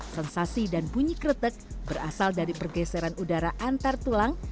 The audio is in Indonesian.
sensasi dan bunyi kretek berasal dari pergeseran udara antar tulang